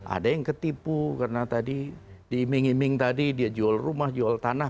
ada yang ketipu karena tadi di iming iming tadi dia jual rumah jual tanah